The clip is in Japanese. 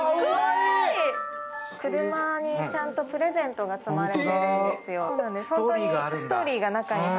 車にちゃんとプレゼントが積まれているんですよ。